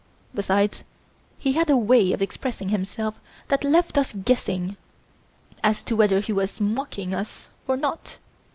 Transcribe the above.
Besides, he had a way of expressing himself that left us guessing as to whether he was mocking us or not.